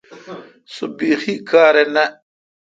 سو بحی کار نہ۔